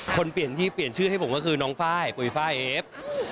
เปลี่ยนที่เปลี่ยนชื่อให้ผมก็คือน้องไฟล์ปุ๋ยไฟล์เอฟ